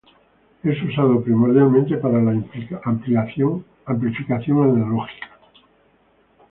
Es usado primordialmente para la amplificación analógica.